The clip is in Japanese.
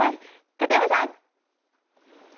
片山さん。